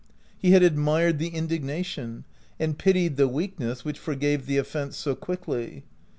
He had admired the in dignation, and pitied the weakness which forgave the offense so quickly.